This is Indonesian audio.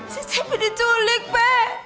si cepi diculik pe